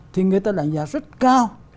thì người ta đánh giá rất cao